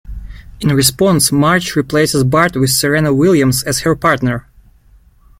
In response, Marge replaces Bart with Serena Williams as her partner.